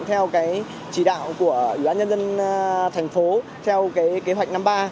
theo cái chỉ đạo của ủy ban nhân dân thành phố theo cái kế hoạch năm ba